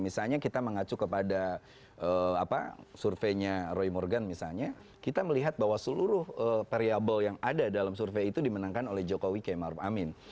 misalnya kita mengacu kepada surveinya roy morgan misalnya kita melihat bahwa seluruh variable yang ada dalam survei itu dimenangkan oleh jokowi k maruf amin